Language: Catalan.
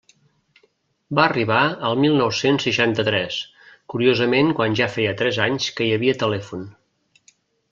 Va arribar el mil nou-cents seixanta-tres, curiosament quan ja feia tres anys que hi havia telèfon.